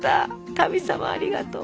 神様ありがとう。